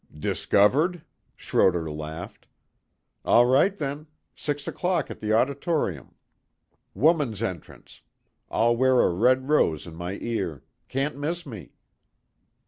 "Discovered!" Schroder laughed. "All right then. Six o'clock at the Auditorium. Woman's entrance. I'll wear a red rose in my ear. Can't miss me."